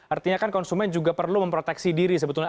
artinya kan konsumen juga perlu memproteksi diri sebetulnya